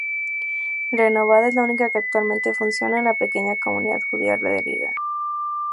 Renovada, es la única que actualmente funciona en la pequeña comunidad judía de Riga.